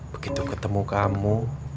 begitu ketemu kamu